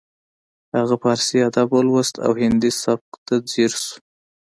هغه پارسي ادب ولوست او هندي سبک ته ځیر شو